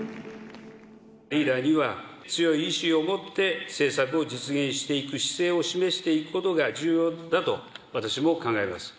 リーダーには強い意志を持って政策を実現していく姿勢を示していくことが重要だと私も考えます。